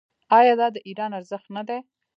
آیا دا د ایران ارزښت نه دی؟